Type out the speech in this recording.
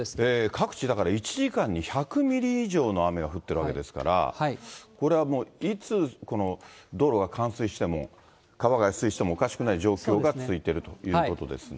各地だから１時間に１００ミリ以上の雨が降っているわけですから、これはもういつ、道路が冠水しても、川が越水してもおかしくない状況が続いているということですね。